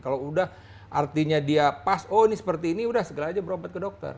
kalau udah artinya dia pas oh ini seperti ini udah segera aja berobat ke dokter